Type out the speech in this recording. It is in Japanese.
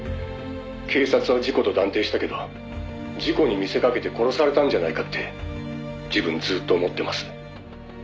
「警察は事故と断定したけど事故に見せかけて殺されたんじゃないかって自分ずっと思ってます」